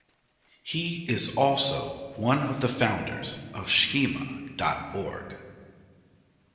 He is also one of the founders of Schema dot org.